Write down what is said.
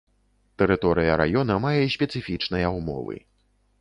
Тэрыторыя раёна мае спецыфічныя ўмовы.